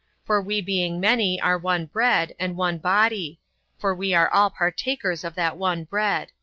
For we being many are one bread, and one body: for we are all partakers of that one bread."